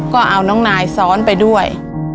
ก็เอาน้องนายซ้อนไปด้วย